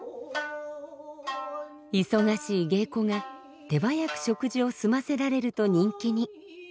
忙しい芸妓が手早く食事を済ませられると人気に。